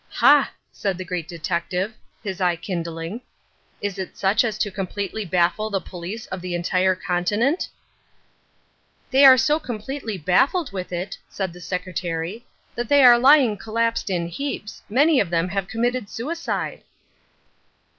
"Ha!" said the Great Detective, his eye kindling, "is it such as to completely baffle the police of the entire continent?" "They are so completely baffled with it," said the secretary, "that they are lying collapsed in heaps; many of them have committed suicide."